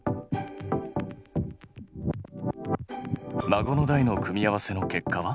孫の代の組み合わせの結果は？